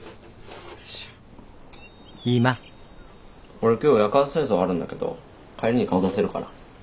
俺今日夜間清掃あるんだけど帰りに顔出せるから。